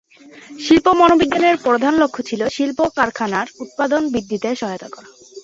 শিল্প মনোবিজ্ঞানের প্রধান লক্ষ্য হচ্ছে শিল্প-কারখানায় উৎপাদন বৃদ্ধিতে সহায়তা করা।